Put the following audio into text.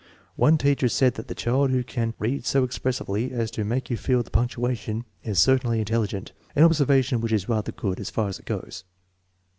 One teacher said that the child who can " read so expressively as to make you feel the punc tuation " is certainly intelligent, an observation which is rather good, as far as it goes.